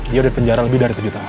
dia dipenjara lebih dari tujuh tahun